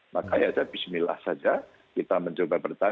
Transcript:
makanya bismillah saja kita mencoba bertahan